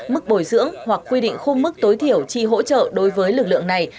mức bồi dưỡng hoặc quy định khung mức tối thiểu chi hỗ trợ đối với lực lượng này